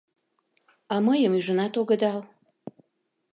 А мыйым ӱжынат огыдал.